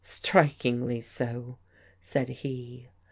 " Strikingly so," said he.